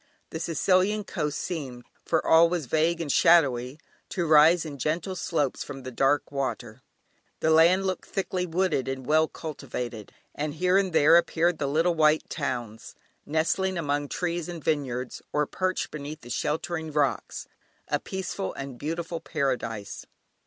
The Sicilian coast seemed (for all was vague and shadowy) to rise in gentle slopes from the dark water, the land looked thickly wooded and well cultivated, and here and there appeared the little white towns, nestling among trees and vineyards, or perched beneath sheltering rocks, a peaceful and beautiful paradise.